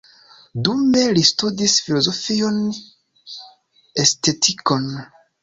Dume li studis filozofion, estetikon.